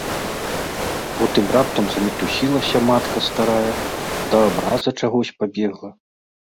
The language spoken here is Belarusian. Потым раптам замітусілася матка старая, да абраза чагось пабегла.